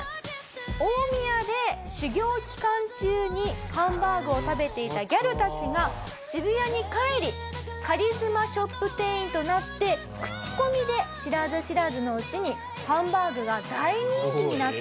大宮で修業期間中にハンバーグを食べていたギャルたちが渋谷に帰りカリスマショップ店員となって口コミで知らず知らずのうちにハンバーグが大人気になっていたという事なんです。